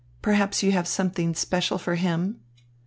Perhaps you have something special for him?"